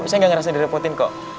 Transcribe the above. saya gak ngerasain direpotin kok